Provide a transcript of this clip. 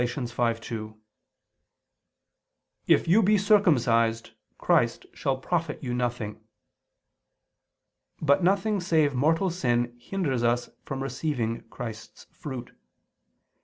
5:2): "If you be circumcised, Christ shall profit you nothing." But nothing save mortal sin hinders us from receiving Christ's fruit.